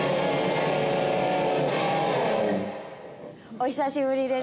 お久しぶりです。